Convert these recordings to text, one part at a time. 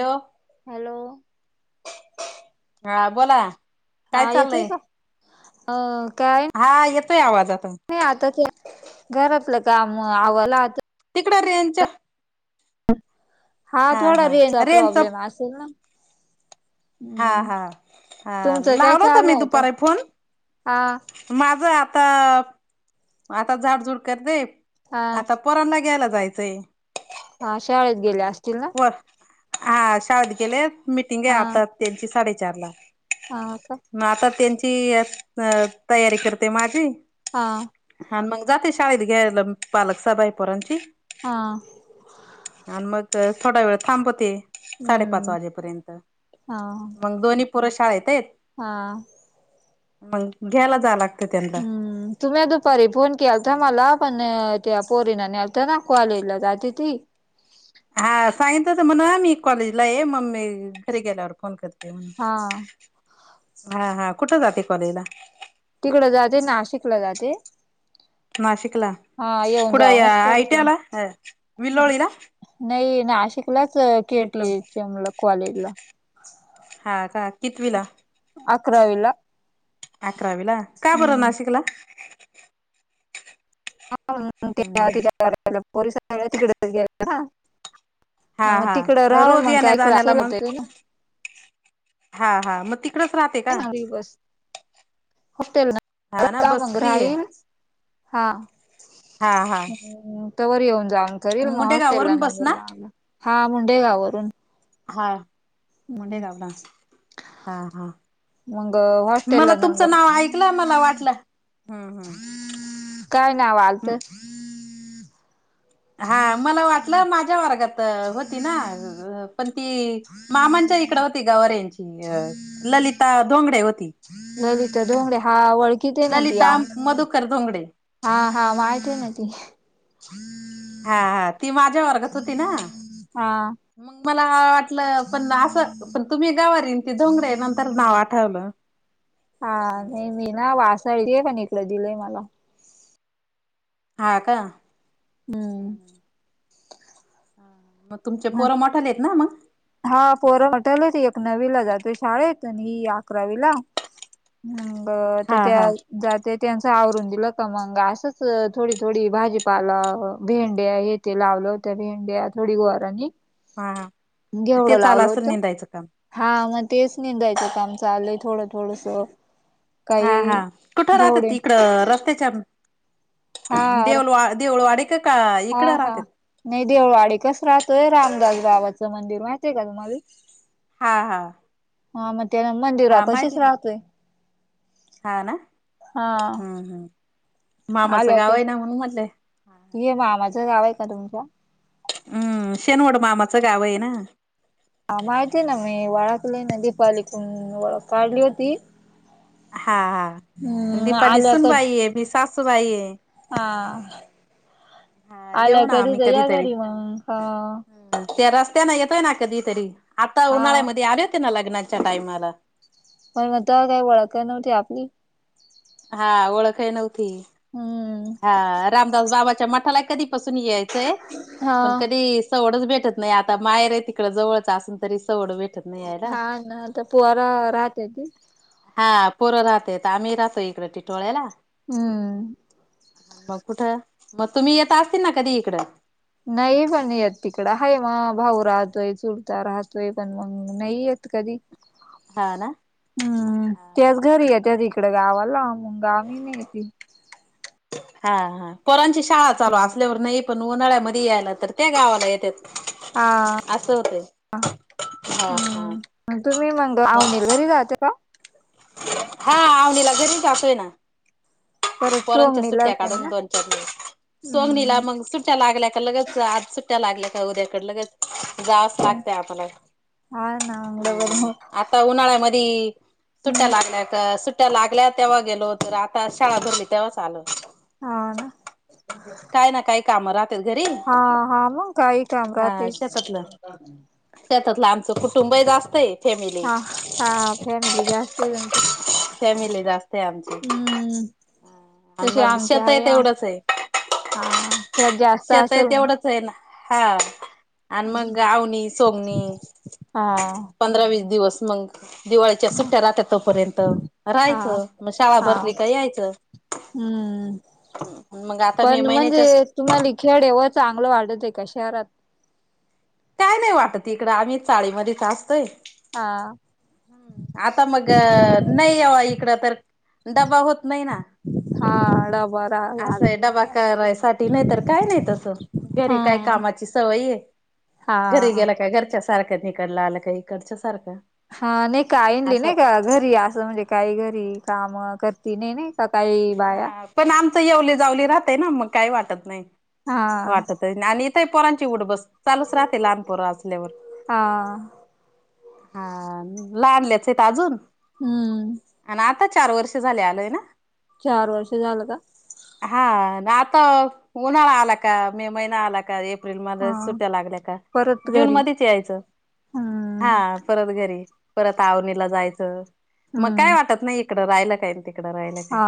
Hello. Hello. हा बोला. काय हा येतोय चाललंय का? अ काय हा येतोय आवाज आता. नाही आताच घरातलं का आवाला आता. तिकडं रेंजच हा थोडा रेलचा प्रॉब्लेम असेल ना. हा हम्म हा हा तुमचं काय लावला होता मी चालूय आता? दुपारी फोन. हा माझं आता आता झाड झूड करते हा आता पोरांना घ्यायला जायचंय. हा शाळेत गेल्या असतील ना. व हा शाळेत गेलेत मिटिंग आहे हा आता त्यांची साडेचार ला. हा का. म आता त्यांची अ त तयारी करते माझी. हा. हा मग जाते शाळेत घ्यायला पालक सभाये पोरांची हा. आणि मग थोडा वेळ थांबते. साडेपाच हम्म वाजेपर्यंत हा मग दोन्ही पोर शाळेत येत. हा. मग घ्यायला जा लाग हम्म. तुम्ही दुपारी फोन केलता मला पण त्या पोरीना नेलता ना कॉलेजल जाते ती. हा सांगितल होत म्हण मी कॉलेजला आहे मम्मी घरी गेल्यावर फोन करते. हा हा हा कुठ जाते कॉलेजला? तिकड जाते नाशिकला जाते. नाशिकला हा येऊन कुठ जाऊनच आय टी करीते. याला विल्लोळीला. नाही नाशिकलाच K T diploma H M ला कॉलेजला. हा का कितवीला? अकरावीला. अकरावीला का बरं हम्म नाशिकला? [unintelligible] ह मग तिकड राहून पण क्लास हा [unintelligible] हा रोज करता येण्या येईल जाण्याला मग ना. हा हा म ती कडच राहते. [unintelligible] का हा ना बस फ्री आहे हा हा हा तवर येऊन जाऊन करील मग हॉस्टेल ला मुंडेगाववरून बस नंबर ना? लावला हा मुंडेगाववरून हा मुंडेगावला हा ह मग हॉस्टेलला मला तुमचं नंबर नाव ऐकलं मला वाटलं हम्म हम् काय नाव आलत हा मला वाटलं माझ्या वर्गात होती ना अ पण ती मामांच्या इकड होती गवारेंची अ ललिता धोंगडे होती ललिता धोंगडे हा वळखीत आहे ना ती ललिता आम मधुकर धोंगडे हा हा माहितीन ती [inaudible] हा हा ती माझ्या वर्गात होती ना हा. मग मला वाटलं पण असं पण तुम्ही गवारे येन ती धोंगडे नंतर नाव आठवलं. हा हम्म नाही हम्म. मी ना वासळ पण इकड दिलंय मला हा का हम्म मग तुमचे पोरं मोठाले आहेत ना मग हा पोर मोठाले एक नववीला जातो शाळेत आणि ही अकरावी ला ह् ब तर हा त्या हा. जाते त्यांच आवरून दिलं क मंग असंच थोडी थोडी भाजीपाला भेंडया हे ते लावलं होत्या भेंड्या थोडी गोरानी हा ते घेवडं चालू लावलं असेल होतं निंदायचं काम हा मग तेच निंदायचं काम चालूय थोडं थोडस हा काही हा कुठं राहतात घेवडे इकड रस्त्याच्या हा देउलवा देऊळवाडी की हा हा नाही देऊळवाडी कस राहतोय रामदास बाबाचं मंदिर माहितय का तुम्हाला हा हा हा मग त्याला मंदिरा हा पशीच माहिती ना. राहतोय. हा ना हम्म हम्म हा मामाचं गाव लोके आहे ना म्हणून म्हटलंय. हा हा. हे मामाच गाव आहे का तुमच्या हम् शेनवड मामाचं गाव आहे ना हा माहिती आहेय ना मी वळाखलंयना दीपाली कून ओळख काढली होती. हा हा हम्म दीपाली आल्या का सुनबाईय मी सासूबाये हा हा आल्या येऊ ना कधीतर या घरी मग हा ते रस्त्याना येतय ना कधीतरी आता हा उन्हाळ्यामध्ये आले होते ना लग्नाच्या टाइमाला होय मग तवा काई ओळखत नव्हती आपली हा ओळखई नव्हती. हम्म हा रामदास बाबाच्या मठाला कधीपसून यायचंय हा पण कधी सवडच भेटत नाही आता माहेर आहे तिकड जवळच असून तरी सवड भेटत नाही यायला हा ना आता पोर राहते ती. हा पोरं राहत्यात आम्ही राहतो इकड टिटोळ्याला हम्म मग कुठं मग तुम्ही येत असतील ना कधी इकडं नाही आम्ही येत तिकड आहे म भाऊ राहतोय चुलता राहतोय पण मग नाही येत कधी हा ना हम्म तेच हा घरी येतत इकडं गावाला [unintelligible] हा हा पोरांची शाळा चालू असल्यावर नाही पण उन्हाळ्यामध्ये यायला तर ते गावाला येतेत. हा अस होतय हा, हा हम्म तुम्ही मंग अवनेल घरी जायचं का हा अवनीला घरी जातोय ना परत पोरांच्या सोंगणीला आहे सुट्ट्या पण काढून ना दोन चार दिवस सोगनीला हम्म मग सुट सुट्ट्या लागल्या का लगेच आज सुट्ट्या लागल्या का उद्याकड लगेच जावच लागतय आपल्याला हा ना डबल हम हो आता उन्हाळ्यामदी सुट्ट्या हम्म लागल्या का सुट्ट्या लागल्या तेव्हा गेलो तर आता शाळा भरली तेव्हाच आलोत हाव ना काय ना काही कामं राहतात घरी हा, हा मंग काही काम हा राहते शेतातलं शेतातलं आमचं कुटुंबही जास्त आहे फॅमिली हा, हा फॅमिली जास्त आहे तुमची फॅमिली जास्तय आमची हम्म आणि तशी मग आमची शेत आहे तेवढंच आहे हा त्यात जास्त शेत आहे असेल मग तेवढंच आहे ना हा आणि मग आवणी, सोमनी हा पंधरा, वीस दिवस मग दिवाळीच्या सुट्ट्या राहत्यात तोपर्यंत राहायचं मग शाळा भरली का यायचं ह मग आता मे महिन्याच्या तुम्हाली खेडे व चांगलं वाटतय आहे का शहरात काही नाही वाटत इकडे आम्हीच चाळीमध्ये असतोय हा आता मग नाही याव इकडं तर डबा होत नाही ना हा डबा रा असं आहे डबा करायसाठी नाही तर काय नाही तसं घरी काय हा. कामाची सवय आहे घरी हा. गेला काय घरच्या सारखं तिकडला आलं का इकडच्या सारखं ह नाही का इनली असं नाही का घरी असं म्हणजे काही घरी काम करती नाई, नाई सकाळी बाया हा पण आमचं येवली, जावली राहतय ना मग काही वाटत नाही हा वाटत वाट आणि इथंही पोरांची उठ बस चालूच राहते लहान पोरं असल्यावर हा हा लहानलेचत अजून हम्म आणि आता चार वर्ष झाले आलोय ना चार वर्ष झालं का हा आता उन्हाळा आला का मे महिना आला का एप्रिलमध्ये हा सुट्ट्या लागल्या का परत जून घरी मधीच यायचं हा हम्म परत घरी परत आवणीला जायचं मग काय हम्म वाटत नाही तिकडं राहिला काही ते हा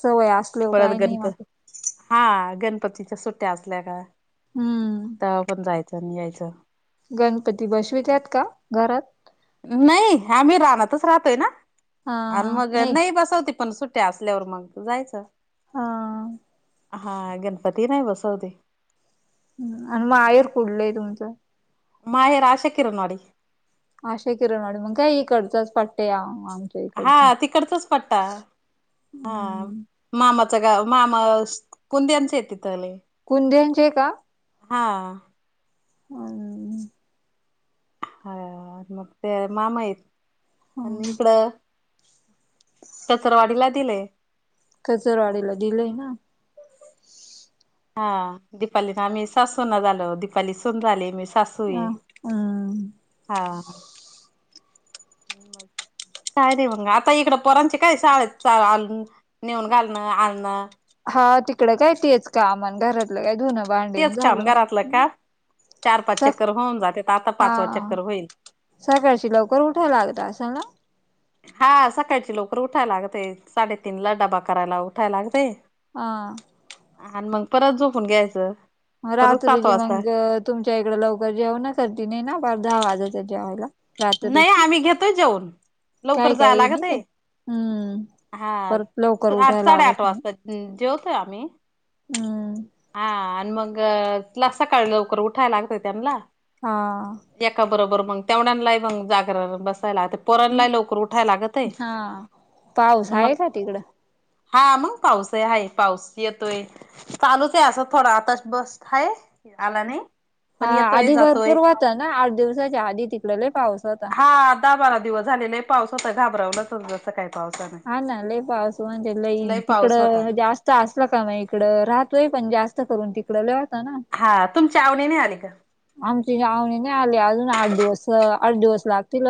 सवय अस परत गणपत हा गणपतीच्या सुट्ट्या असल्या का हम्म तवा पण जायचं आणि यायचं गणपती बशिवीत्यात का घरात नाही आम्ही रानातच राहतोय ना हा आणि हा मग नाही बसवते पण सुट्ट्या असल्या वर मग जायच हां हा गणपती नाही बसवते आणि मायर कुडलंय तुमचं माहेर आशे किरणवाडी अशा किरणवाडी मग काय हिकडचाच पट्या हा आम हा तिकडचाच पट्टा हा. हम्म मामाच गाव मामा कुद्यांचेतथले. कुद्यांचे का. हा. हं. हा मग ते मामायेत आणि इकडं. त्यातरवाडीला दिलेय. कचरवाडीला दिलंय ना. हा दिपालीने आम्ही सासूना झालो दीपाली सून झाली मी सास सुई ह हम्म हा हा. काय रे मंग आता इकडं पोरांचे काय शाळेत नेऊन घालणं आणणं. हा तिकडं कायतीच कामण घरातलं काय धुन भांडीन तेच काम झालं. घरातलं काम चार पाच स चक्कर होऊन जाते आता पाचवा चक्कर होईल. सकाळशी लवकर उठाय लागत अस ना. हा सकाळची लवकर उठायला लागते साडेतीन ला डबा करायला उठाय लागते. हा. आणि मग परत झोपून घ्यायचं. मग परत रात्री सात जी वाजता मग तुमच्या इकडे लवकर जेव ना कटी नाही ना बार दहा वाजाच्या जेवायला. नाही रात्रीची आम्ही घेतोय जेऊन. लवकर काय जाय काही नाही काय लागतंय हम्म हा परत लवकर आठ उठायला साडे आठ लागत वाजता. हम जेवतोय आम्ही. हम. हा आणि मग तुला सकाळ लवकर उठायला लागत त्यांला. हा. एका बरोबर मग तेवढ्यांलाही मग जागर बसायला आता. पोरांला लोकर उठाय लागत आहे हा पाऊस आहे मग. का तिकडं हा मग पाऊस आहे हे पाऊस येतोय. काळोख आहे असं थोडं आताच बस हय हा आधी भरपूर होता ना आठ दिवसाच्या आधी तिकड लय पाऊस होता. हा दहा बारा दिवस झाले लय पाऊस होता घाबरवलाच जसं काय. हा ना लय पाव अस म्ह लन लय पाऊस होता तिकडं जास्त असला का म इकडं राहतोय पण जास्त करून तिकडं लय होता ना. हा तुमच्या आवणी नाय आली का. आमची आवणी नाही आली अजून आठ दिवस आठ दिवस लागतील.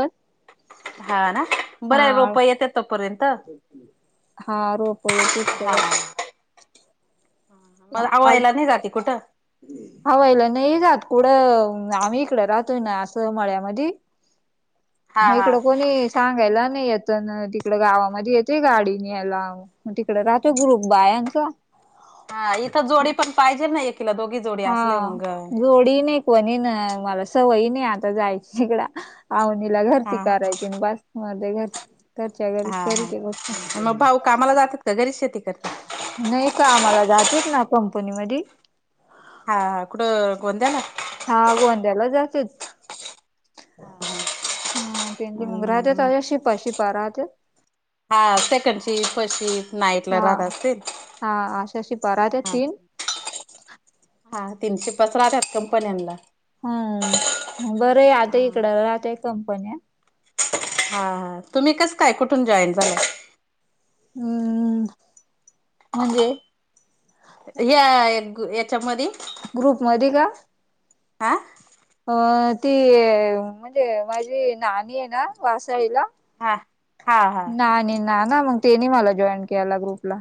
हा ना बरं रोप येत तो पर्यंत हा. हा रोप येतेत तवर ह मग आवयला नाही जाते कुठं. हवयला नाही जात कुढं आम्ही इकड राहतोय ना असं मळ्यामध्ये. मग हा हा इकडं कोणी सांगायला नाही येत ना तिकड गावामध्ये येते गाडी न यायला. मग तिकड राहतो ग्रुप बायांचा. हा इथं जोडी पण पाहिजे ना नाही एकिला दोघीच हा जोडी ना कोणी ना मला सवयी नाही आता जायची इिकड आवनीला हा घरची हा कायची ना बस. म घर घच्या घरी करी ते बघ. सगरीष्यती कतात. नाही का आम्हाला जातच ना कंपनीमध्ये. हा कुठं गोंद्याला. हा गोंद्याला जातेच. हा ह तें मग हा राहते शिपा शिपा राहत. हा second shift, first shift, night ला हा. राहत असतील. हा अशा शिपा राहतात हा तीन. हा तीनशे पस राहत्यात कंपन्यांना. हम्म, बरं आहे आता हा इकड राहत्यात कंपन्या. हा हा तुम्ही कस काय? कुठून जॉईन झालाय? हम्म म्हणजे? या याच्यामध्ये? ग्रुपमध्ये का? आ अ ती म्हणजे माझी नानी आहे ना वासाईला. हा हा हा नानी-नाना मग तेनी मला जॉईन केला ग्रुपला.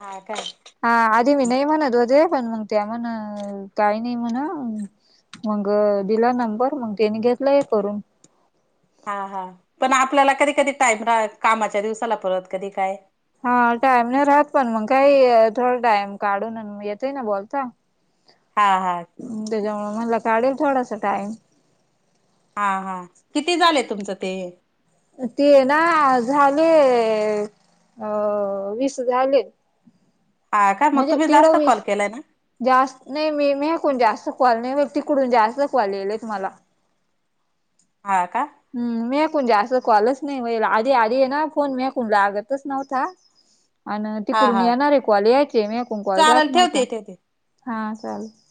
हा काय. हा आधी मी नाही म्हणत होते. पण मग त्या म्हण काही नाही म्हण मग दिला नंबर मग त्याने घेतला हे करून. हा हा पण आपल्याला कधी कधी टाइम रा कामाच्या दिवसाला परत कधी काय. हा टाइम नाही राहत. पण मग काही थोडा टाइम काढून मग येतय ना बोलता. [inaudible] हा हा. त्याच्यामुळे म्हणाल, काढेन थोडासा टाइम. हा हा किती झाले तुमचं ते? ते ना झाले अ वीस झाले. हा का, मग म्हणजे तुम्ही तिड जास्त वीस कॉल केलाय ना. जास्त नाही. मी म कोण जास्त कॉल नाही मी तिकडून जास्त कॉल यायलेत मला. हा का. हम्, मी कोण जास्त कॉलच नाही, व्हायला आधी आधी आहे ना फोन मगं जास्त कोण लागतच नव्हता. ह [inaudible] आणि हा तिकडून हा येणारे कॉल यायचे. मी ऐकून कॉल चालेल जात नव्हता. ठेवते ठेवते हा चालत